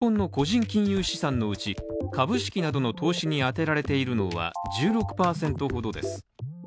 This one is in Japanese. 現在、日本の個人金融資産のうち、株式などの投資に充てられているのは１６％ほどです。